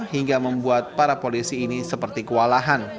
hingga membuat para polisi ini seperti kewalahan